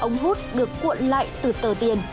ống hút được cuộn lại từ tờ tiền